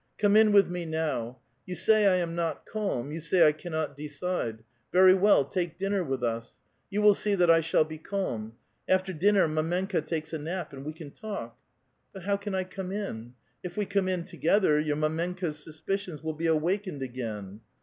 Come in with me now. You sav I am not calm ; vou sav I cannot decide. Very well, take dinner with us ; you will see that I shall be calm. After dinner mdmeuka takes a nap, and we can talk." '' But how can I come in? If we come in together, your mdmenka's suspicions will be awakened again